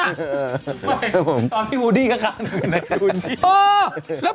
เอาพี่วูดี้ทั้ง